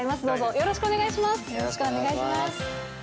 よろしくお願いします。